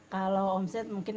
kalau omset mungkin